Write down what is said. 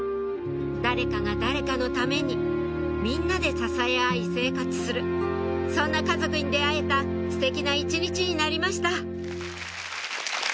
誰かが誰かのためにみんなで支え合い生活するそんな家族に出会えたステキな一日になりました